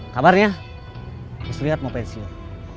kabarnya muslihat mau pensiun